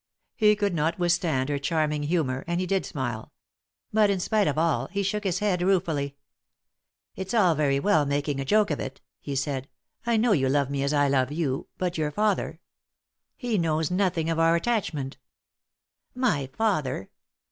He could not withstand her charming humour, and he did smile. But, in spite of all, he shook his head ruefully. "It's all very well making a joke of it," he said. "I know you love me as I love you, but your father he knows nothing of our attachment." "My father?